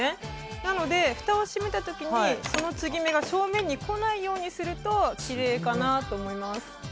なので、ふたを閉めた時にその継ぎ目が正面に来ないようにするときれいかなと思います。